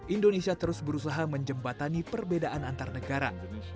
indonesia terus berusaha menjembatani perbedaan antar negara